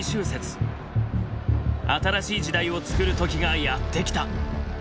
新しい時代をつくる時がやってきた。